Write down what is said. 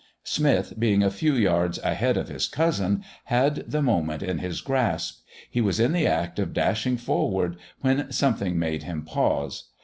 Smith, being a few yards ahead of his cousin, had the moment in his grasp. He was in the act of dashing forward when something made him pause.